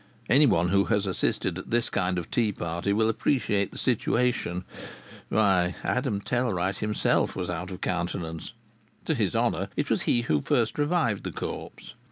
Anyone who has assisted at this kind of a tea party will appreciate the situation. Why, Adam Tellwright himself was out of countenance. To his honour, it was he who first revived the corpse.